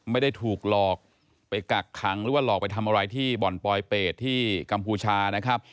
ไม่ได้ถูกหลอกไปกักขังหรือว่าหลอกไปทำอะไรที่บ่อนปลอยเป็ดที่กัมพูชานะครับ